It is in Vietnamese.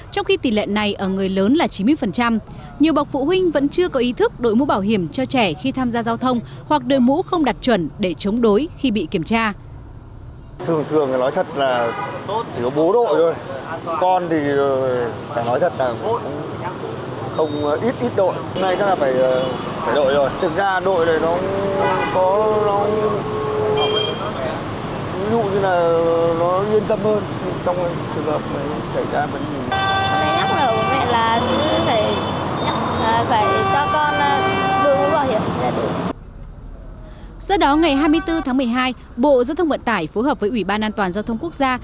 trong khi tỷ lệ này ở người lớn là chín mươi nhiều bọc phụ huynh vẫn chưa có ý thức đội mũ bảo hiểm cho trẻ khi tham gia giao thông hoặc đội mũ không đặt chuẩn để chống đối khi bị kiểm tra